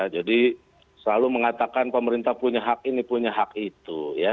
jadi selalu mengatakan pemerintah punya hak ini punya hak itu